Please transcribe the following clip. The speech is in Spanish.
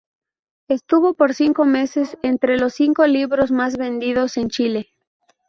Estuvo por cinco meses entre los cinco libros más vendidos en Chile.